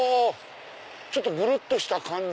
ちょっとぐるっとした感じ？